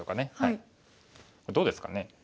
どうですかね。